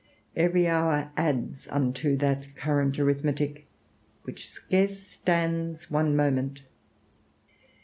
Every hour adds unto that current arithmetic, which scarce stands one moment.